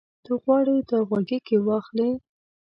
ته غواړې دا غوږيکې واخلې؟